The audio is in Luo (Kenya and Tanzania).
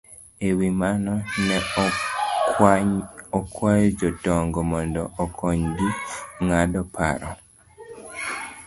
E wi mano, ne okwayo jodongo mondo okonygi ng'ado paro